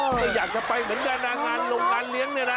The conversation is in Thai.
เออไม่อยากจะไปเหมือนกานางานหลบงานเลี้ยงเนี่ยนะ